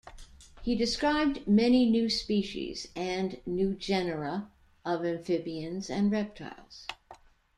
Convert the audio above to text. He described many new species and new genera of amphibians and reptiles.